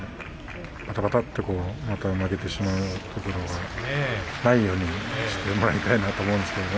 ばたばたっと負けてしまうところがないようにしてもらいたいなと思うんですけれど。